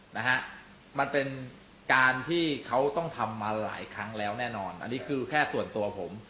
นะฮะมันเป็นการที่เขาต้องทำมาหลายครั้งแล้วแน่นอนอันนี้คือแค่ส่วนตัวผม